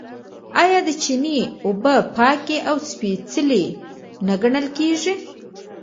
آیا د چینې اوبه پاکې او سپیڅلې نه ګڼل کیږي؟